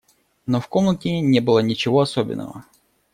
Но в комнате не было ничего особенного.